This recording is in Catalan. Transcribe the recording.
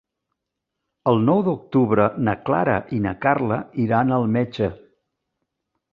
El nou d'octubre na Clara i na Carla iran al metge.